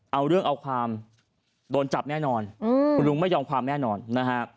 เอาเรื่องเอาความโดนจับแน่นอนคุณลุงไม่ยอมความแน่นอนนะฮะ